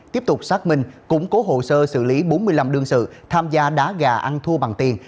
tiếp tục xác minh củng cố hồ sơ xử lý bốn mươi năm đương sự tham gia đá gà ăn thua bằng tiền